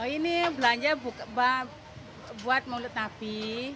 ini belanja buat mulut napi